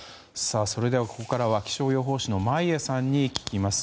ここからは気象予報士の眞家さんに聞きます。